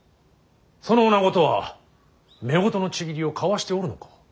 その女子とは夫婦の契りを交わしておるのか。